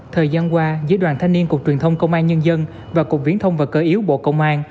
thời gian qua giữa đoàn thanh niên cục truyền thông công an nhân dân và cục viễn thông và cơ yếu bộ công an